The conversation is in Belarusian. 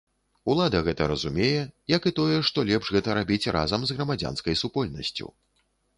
Улада гэта разумее, як і тое, што лепш гэта рабіць разам з грамадзянскай супольнасцю.